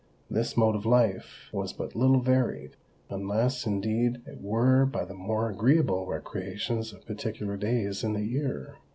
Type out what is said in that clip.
This mode of life was but little varied;—unless, indeed, it were by the more agreeable recreations of particular days in the year.